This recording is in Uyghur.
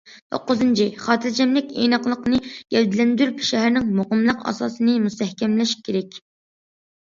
توققۇزىنچى، خاتىرجەملىك، ئىناقلىقنى گەۋدىلەندۈرۈپ، شەھەرنىڭ مۇقىملىق ئاساسىنى مۇستەھكەملەش كېرەك.